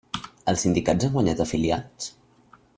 Els sindicats han guanyat afiliats?